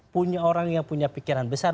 punya orang yang punya pikiran besar